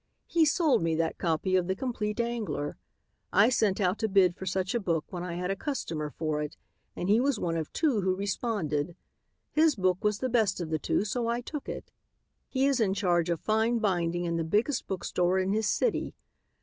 He sold me that copy of 'The Compleat Angler.' I sent out a bid for such a book when I had a customer for it and he was one of two who responded. His book was the best of the two, so I took it. He is in charge of fine binding in the biggest book store in his city.